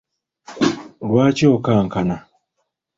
Lwaki okankana?